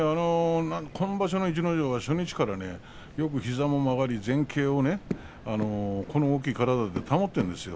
今場所の逸ノ城は初日からよく膝も曲がって、前傾をこの大きい体で保っているんですよ。